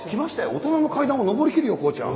大人の階段を上りきるよ孝ちゃん。